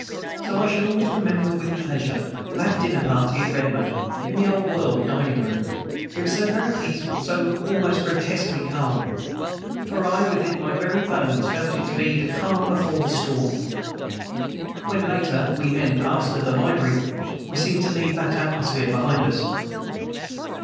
So I shall always remember, with pleasure, that dinner party at Redmoat, in the old world dining room; it was so very peaceful, so almost grotesquely calm. For I, within my very bones, felt it to be the calm before the storm. When, later, we men passed to the library, we seemed to leave that atmosphere behind us.